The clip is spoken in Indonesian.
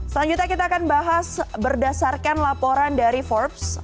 selanjutnya kita akan bahas berdasarkan laporan dari forbes